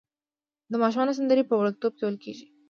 د ماشومانو سندرې په وړکتون کې ویل کیږي.